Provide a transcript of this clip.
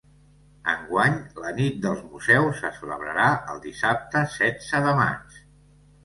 Enguany la Nit dels Museus se celebrarà el dissabte setze de maig.